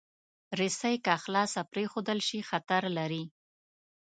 رسۍ که خلاصه پرېښودل شي، خطر لري.